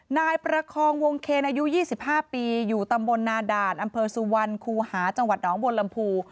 นายประคองวงเคนอายุ๒๕ปีอยู่ตำบลนาด่านอำเภอสุวรรณคูหาจังหวัดน้องบนลำพู